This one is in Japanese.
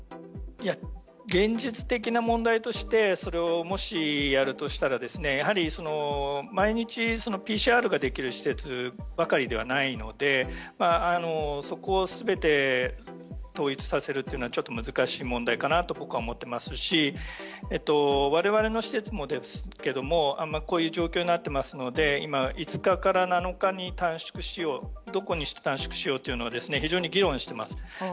現実的な問題としてそれをもしやるとしたらやはり、毎日ＰＣＲができる施設ばかりではないのでそこを全て統一させるのは難しい問題かなと僕は思ってますし我々の施設もですけどこういう状況になっていますので今、５日から７日に短縮しようどこに短縮しようというのは非常に議論してます。